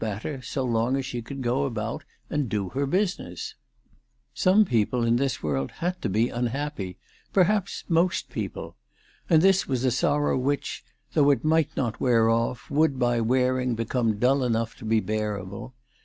matter so long as she could go about and do her busi ness ? Some people in this world had to be unhappy ; perhaps most people. And this was a sorrow which, though it might not wear off, would by wearing become dull enough to be bearable.